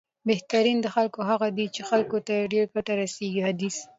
بهترین د خلکو هغه دی، چې خلکو ته یې ډېره ګټه رسېږي، حدیث